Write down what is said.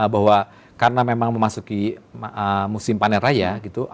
bahwa karena memang memasuki musim panen raya gitu